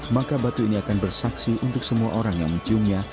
maka batu ini akan bersaksi untuk semua orang yang menciumnya